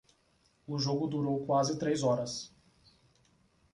O jogo durou quase três horas